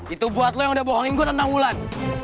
itu buat lo yang udah bohongin gue tentang wulan